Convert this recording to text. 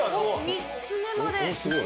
３つ目まで。